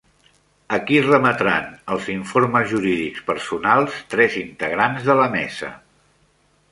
A qui remetran els informes jurídics personals tres integrants de la mesa?